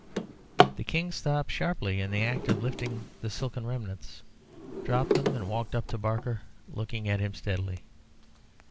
The King stopped sharply in the act of lifting the silken remnants, dropped them, and walked up to Barker, looking at him steadily.